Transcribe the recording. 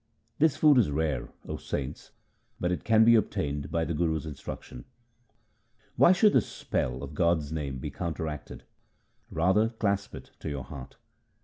This food is rare, O saints, but it can be obtained by the Guru's instruction. Why should the spell 1 of God's name be counteracted ? rather clasp it to your heart.